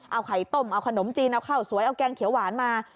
เอาไข่ต้มเอาขนมจีนเอาข้าวสวยเอาแกงเขียวหวานมา